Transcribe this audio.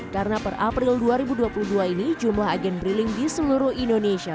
karena per april dua ribu dua puluh dua ini jumlah agen bri link di seluruh indonesia